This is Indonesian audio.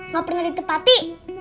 gak pernah ditepati